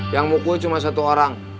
yang mukul cuma satu orang